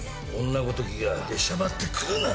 女ごときが出しゃばってくるな！